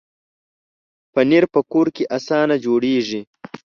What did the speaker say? پنېر په کور کې اسانه جوړېږي.